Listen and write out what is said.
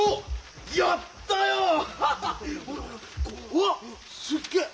おっすっげえ！